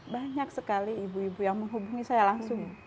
banyak sekali ibu ibu yang menghubungi saya langsung